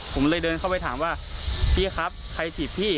ผมเลยเดินเข้าไปถามว่าพี่ครับใครถีบพี่